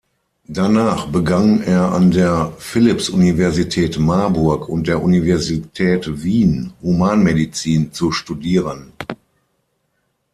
Danach begann er an der Philipps-Universität Marburg und der Universität Wien Humanmedizin zu studieren.